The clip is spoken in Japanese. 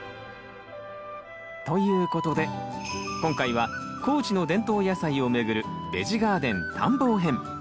ということで今回は高知の伝統野菜を巡る「ベジ・ガーデン探訪編」。